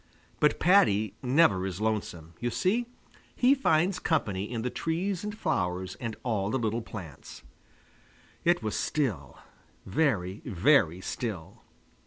But Paddy never is lonesome. You see, he finds company in the trees and flowers and all the little plants. It was still, very, very still.